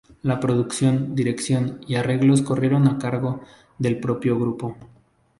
La producción, dirección y arreglos corrieron a cargo del propio grupo.